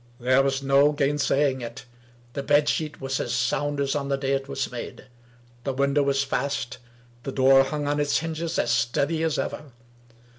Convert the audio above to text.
There was no gainsaying it. The bed sheet was as sound as on the day it was made. The window was fast. The door hung on its hinges as steady as ever.